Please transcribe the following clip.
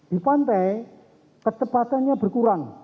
di pantai kecepatannya berkurang